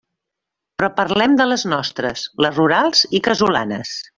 Però parlem de les nostres, les rurals i casolanes.